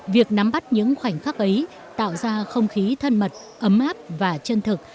việc nắm bắt những khoảnh khắc ấy tạo ra không khí thân mật ấm áp và chân thực